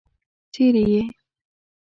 څري يې؟